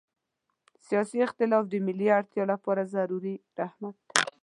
سیاسي اختلاف د ملي اړتیا لپاره ضروري رحمت ده.